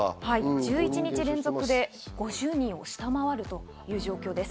１１日連続で５０人を下回るという状況です。